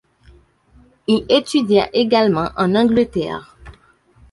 Il étudia également en Angleterre.